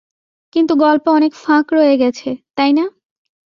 কিন্তু গল্পে অনেক ফাঁক রয়ে গেছে, তাই না?